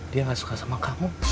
dia gak suka sama kamu